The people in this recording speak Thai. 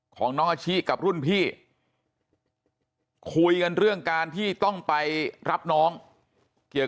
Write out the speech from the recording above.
ของน้องอาชิกับรุ่นพี่คุยกันเรื่องการที่ต้องไปรับน้องเกี่ยว